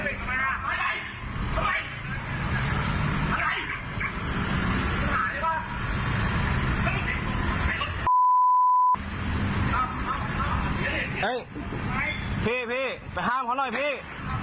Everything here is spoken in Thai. พี่ไปห้ามเขาหน่อยพี่